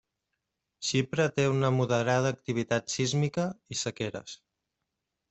Xipre té una moderada activitat sísmica, i sequeres.